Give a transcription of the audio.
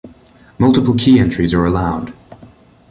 Multiple key entries are allowed.